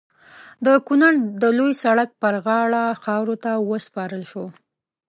د کونړ د لوی سړک پر غاړه خاورو ته وسپارل شو.